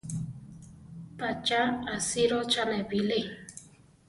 ¿Pa cha asírochane bilé?